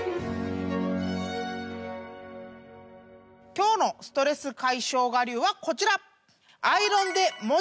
今日のストレス解消我流はこちら！